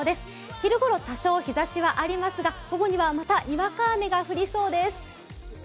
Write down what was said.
昼ごろ、多少日ざしもありますが午後にはまた、にわか雨が降りそうです。